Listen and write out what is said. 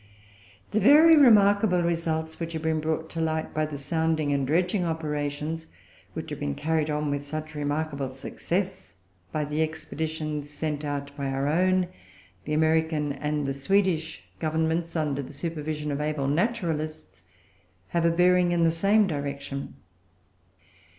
The very remarkable results which have been brought to light by the sounding and dredging operations, which have been carried on with such remarkable success by the expeditions sent out by our own, the American, and the Swedish Governments, under the supervision of able naturalists, have a bearing in the same direction.